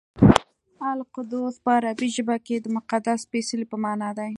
القدس په عربي ژبه کې د مقدس سپېڅلي په مانا دی.